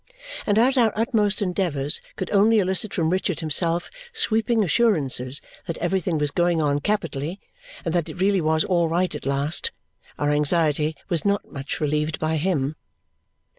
And as our utmost endeavours could only elicit from Richard himself sweeping assurances that everything was going on capitally and that it really was all right at last, our anxiety was not much relieved by him.